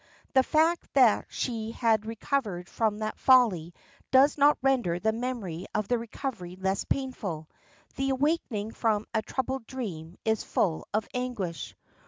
The fact that she had recovered from that folly does not render the memory of the recovery less painful. The awakening from a troubled dream is full of anguish.